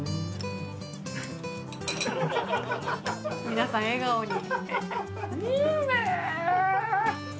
皆さん笑顔に。